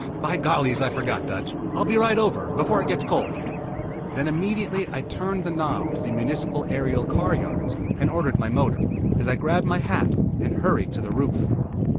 "By gollies I forgot, Dutch. I'll be right over before it gets cold." Then immediately I turned the knob to the Municipal Aerial car yards, and ordered my motor, as I grabbed my hat and hurried to the roof.